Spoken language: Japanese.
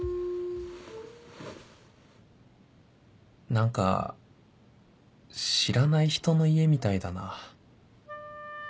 何か知らない人の家みたいだな